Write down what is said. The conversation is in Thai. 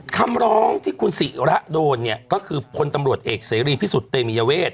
คำร้องที่คุณศิระโดนเนี่ยก็คือพลตำรวจเอกเสรีพิสุทธิ์เตมียเวท